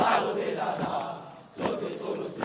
ini langkah mil